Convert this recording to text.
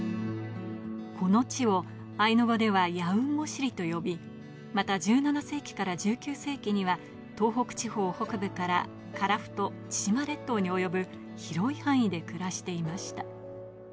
この地をアイヌ語ではヤウンモシリと呼び、また１７世紀から１９世紀には東北地方北部から樺太、千島列島に及ぶ広い範囲で暮らしていました。